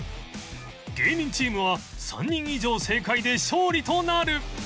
芸人チームは３人以上正解で勝利となる